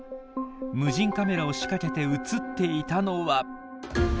無人カメラを仕掛けて写っていたのは。